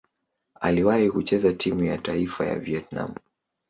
Aliwahi kucheza timu ya taifa ya Vietnam.